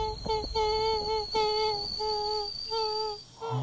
あ！